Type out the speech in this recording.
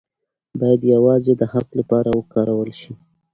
باید یوازې د حق لپاره وکارول شي.